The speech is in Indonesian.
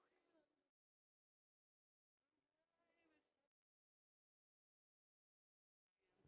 bagaimana kita bisa membuatnya